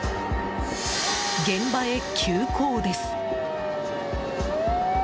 現場へ急行です！